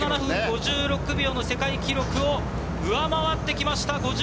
５７分５６秒の世界記録を上回ってきました。